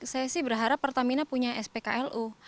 saya sih berharap pertamina punya spklu